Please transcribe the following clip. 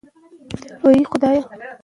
هغو کسانو چې غوښه خوړلې بد بوی لري.